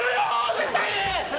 絶対に！